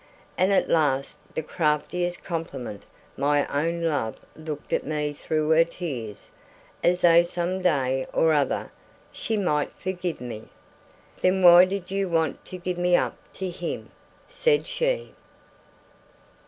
And at the last and craftiest compliment my own love looked at me through her tears, as though some day or other she might forgive me. "Then why did you want to give me up to him?" said she.